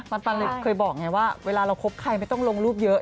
มันเคยบอกไงว่าเวลาเราคบใครไม่ต้องลงรูปเยอะ